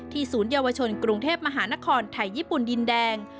ศูนยวชนกรุงเทพมหานครไทยญี่ปุ่นดินแดง